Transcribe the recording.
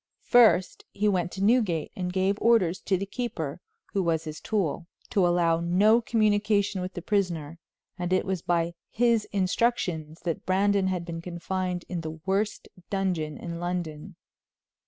First, he went to Newgate and gave orders to the keeper, who was his tool, to allow no communication with the prisoner, and it was by his instructions that Brandon had been confined in the worst dungeon in London.